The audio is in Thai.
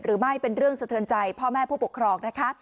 หรือไม่เป็นเรื่องสะเทือนใจพ่อแม่ผู้ปกครองนะคะ